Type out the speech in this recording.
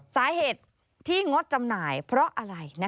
สาเหตุที่งดจำหน่ายเพราะอะไร